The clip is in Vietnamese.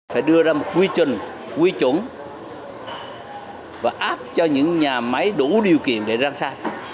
phải đưa ra một quy trình quy chuẩn và áp cho những nhà máy đủ điều kiện để răng xa